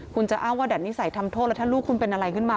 คุณจะอ้างว่าดัดนิสัยทำโทษแล้วถ้าลูกคุณเป็นอะไรขึ้นมา